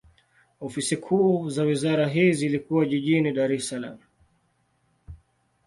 Ofisi kuu za wizara hii zilikuwa jijini Dar es Salaam.